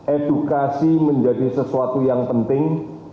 edukasi menjadi sesuatu yang penting